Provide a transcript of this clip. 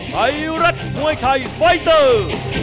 ไทยรัฐมวยไทยไฟเตอร์